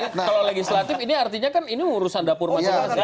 kalau legislatif ini artinya kan ini urusan dapur masing masing